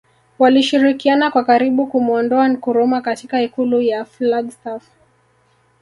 Walishirikiana kwa karibu kumuondoa Nkrumah katika ikulu ya Flagstaff